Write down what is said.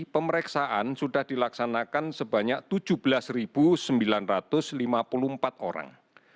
pemeriksaan sudah dilaksanakan sebanyak tujuh belas sembilan ratus lima puluh empat orang